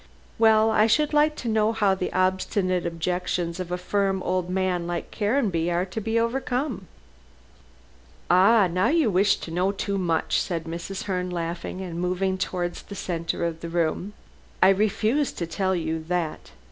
"Well, I should like to know how the obstinate objections of a firm old man like Caranby are to be overcome." "Ah, now you wish to know too much," said Mrs. Herne, laughing and moving towards the center of the room. "I refuse to tell you that.